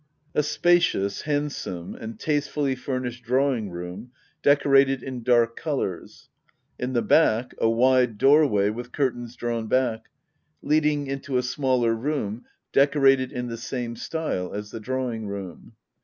A spacious, handsome, and tastefully furnished draw ing room, decorated in dark colours. In the back, a wide doorway with curtains drawn back, leading into a smaller room decorated in the same style as the drawing room.